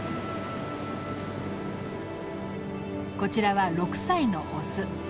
こちらは６歳のオス。